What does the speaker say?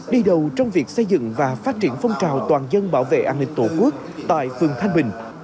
đi đầu trong việc xây dựng và phát triển phong trào toàn dân bảo vệ an ninh tổ quốc tại phường thanh bình